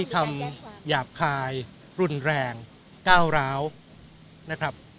คำหยาบคายรุนแรงก้าวร้าวนะครับ